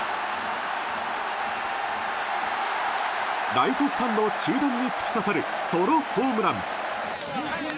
ライトスタンド中段に突き刺さるソロホームラン。